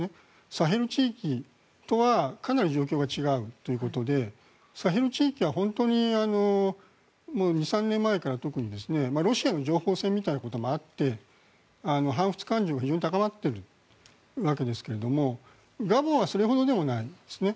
サヘル地域とはかなり状況が違うということでサヘル地域は本当に２３年前から特に、ロシアの情報戦みたいなこともあって反仏感情も非常に高まっているわけですけどガボンはそれほどでもないですね。